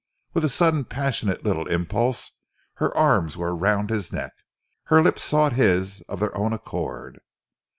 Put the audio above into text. With a sudden passionate little impulse, her arms were around his neck, her lips sought his of their own accord.